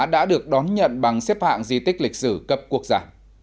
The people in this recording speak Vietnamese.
đã được đón nhận bằng xếp hạng di tích lịch sử cấp quốc gia